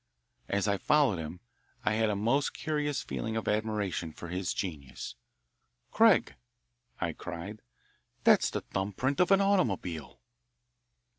As I followed him, I had a most curious feeling of admiration for his genius. "Craig," I cried, "that's the thumb print of an automobile."